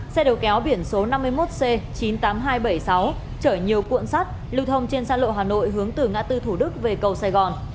xe đầu kéo biển số năm mươi một c chín mươi tám nghìn hai trăm bảy mươi sáu chở nhiều cuộn sắt lưu thông trên xa lộ hà nội hướng từ ngã tư thủ đức về cầu sài gòn